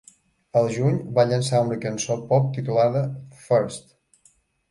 Al juny, va llançar una cançó pop titulada "First".